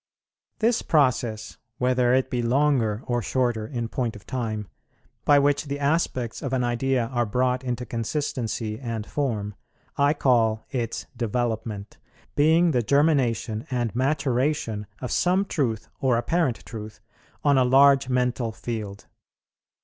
This process, whether it be longer or shorter in point of time, by which the aspects of an idea are brought into consistency and form, I call its development, being the germination and maturation of some truth or apparent truth on a large mental field.